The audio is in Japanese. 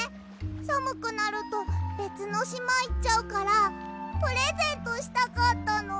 さむくなるとべつのしまいっちゃうからプレゼントしたかったの。